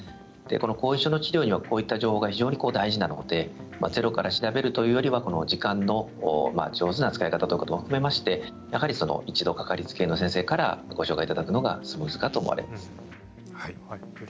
後遺症の治療にはこういった情報が非常に大事ですのでゼロから調べるというよりは時間の上手な使い方ということで一度、掛かりつけ医の先生からご紹介いただくのがスムーズかと思います。